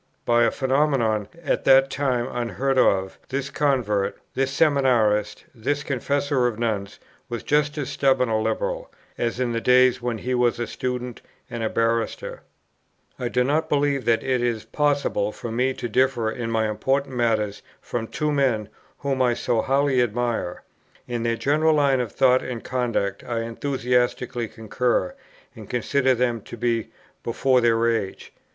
By a phenomenon, at that time unheard of, this convert, this seminarist, this confessor of nuns, was just as stubborn a liberal, as in the days when he was a student and a barrister." Life (transl.), p. 19. I do not believe that it is possible for me to differ in any important matter from two men whom I so highly admire. In their general line of thought and conduct I enthusiastically concur, and consider them to be before their age.